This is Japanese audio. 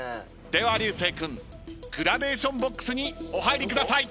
では流星君グラデーションＢＯＸにお入りください。